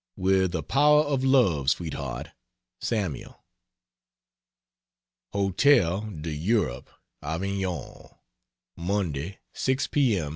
With a power of love, Sweetheart, SAML. HOTEL D'EUROPE, AVIGNON, Monday, 6 p.m.